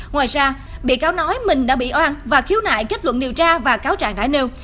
ngoài ra bị cáo nói mình đã bị oan và khiếu nại kết luận điều tra và cáo trạng đã nêu